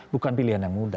bukan pilihan yang mudah